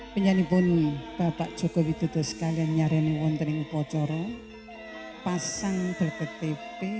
penyanyi pun bapak joko widodo sekalian nyariin wonteneng kocoro pasang belketipe